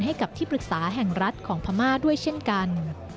ให้กับที่ปรึกษาแห่งรัฐของพม่าด้วยเช่นกัน